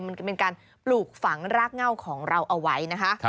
มันเป็นการปลูกฝังรากเง้าของเราเอาไว้